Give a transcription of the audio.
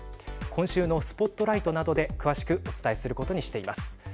今週のＳＰＯＴＬＩＧＨＴなどで詳しくお伝えすることにしています。